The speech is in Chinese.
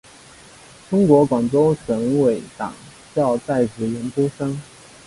中共广东省委党校在职研究生。